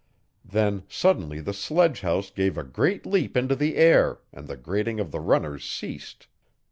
Then, suddenly, the sledgehouse gave a great leap into the air and the grating of the runners ceased.